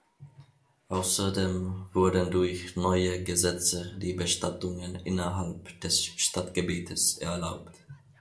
Außerdem wurden durch neue Gesetze die Bestattungen innerhalb des Stadtgebietes erlaubt.